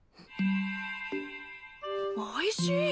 おいしい！